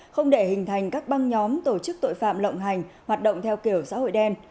không để hình thành các băng nhóm tổ chức tội phạm lộng hành hoạt động theo kiểu xã hội đen